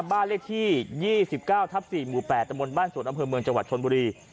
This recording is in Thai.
บ้านเลขที่ยี่สิบเก้าทับสี่หมู่แปดตะมนต์บ้านสวดอำเภอเมืองจังหวัดชนบุรี